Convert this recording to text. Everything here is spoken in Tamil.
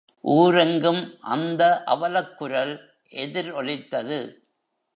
ஊர் எங்கும் அந்த அவலக் குரல் எதிர் ஒலித்தது.